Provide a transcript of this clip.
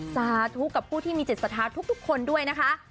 สาธุกับผู้ที่มีจิตศรัทธาทุกคนด้วยนะคะ